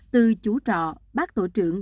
từ chủ trọ bác tổ trưởng